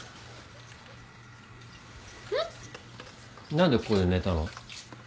何でここで寝たの？